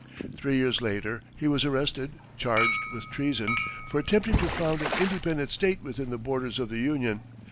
Three years later, he was arrested, charged with treason, for attempting to found an independent state within the borders of the Union.